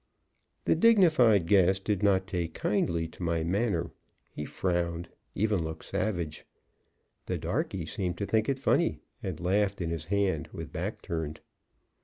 The dignified guest did not take kindly to my manner. He frowned, even looked savage. The darkey seemed to think it funny, and laughed in his hand, with back turned.